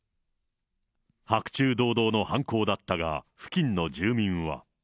白昼堂々の犯行だったが、付近の住民は。